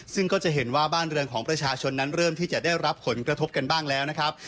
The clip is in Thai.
ซึ่งก็จะเห็นว่าบ้านเรือนของประชาชนนั้นเริ่มที่จะได้รับผลกระทบกันบ้างแล้วนะครับ